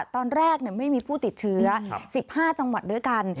ตอนแรกไม่มีผู้ติดเชื้อ๑๕จังหวัดด้วยกัน